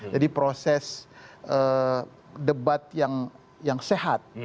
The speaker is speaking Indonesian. jadi proses debat yang sehat